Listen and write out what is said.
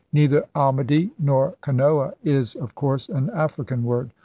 Neither almadie nor canoa is, of course, an African word.